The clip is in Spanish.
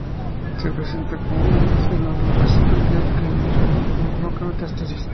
Se presenta como una masa no dolorosa superficial que muy raramente provoca metástasis.